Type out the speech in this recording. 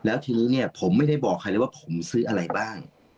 แล้วทีนี้เนี่ยผมไม่ได้บอกใครเลยว่าผมซื้ออะไรบ้าง